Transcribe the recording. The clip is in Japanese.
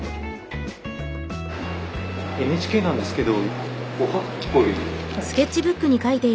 ＮＨＫなんですけど。